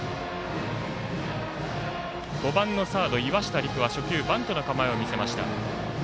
５番のサード、岩下吏玖は初球バントの構えを見せました。